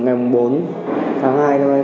vụ vi phạm vụ nạn